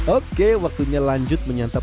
oke waktunya lanjut menyantap